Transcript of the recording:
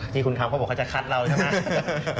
ที่คุณทำเขาบอกเขาจะคัดเราใช่ไหม